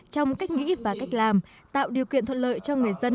trong cách nghĩ và cách làm tạo điều kiện thuận lợi cho người dân